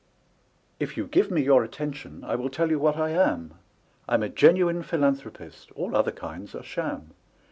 If you give me your attention, I will tell you what I am: I'm a genuine philanthropist all other kinds are sham.